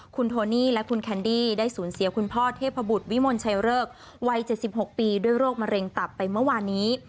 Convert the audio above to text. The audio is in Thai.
คุณโทนี่และคุณแคนดี้ได้สูญเสียคุณพ่อเทพบุตรวิมลชัยเริกวัย๗๖ปีด้วยโรคมะเร็งตับไปเมื่อวานี้